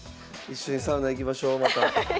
一緒にサウナ行きましょうまた。